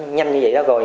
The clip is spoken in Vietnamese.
nó nhanh như vậy đó rồi